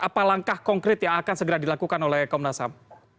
apa langkah konkret yang akan segera dilakukan oleh komnas ham